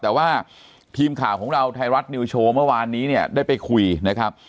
แต่ว่าทีมข่าวของเราไทยรัฐนิวโชว์เมื่อวานนี้เนี่ยได้ไปคุยนะครับ